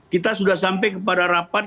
kita sudah sampai kepada rapat